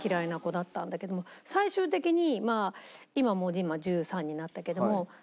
最終的にまあ今もう１３になったけども。